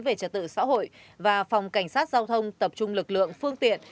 về trật tự xã hội và phòng cảnh sát giao thông tập trung lực lượng phương tiện